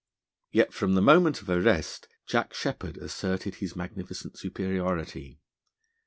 Yet from the moment of arrest Jack Sheppard asserted his magnificent superiority.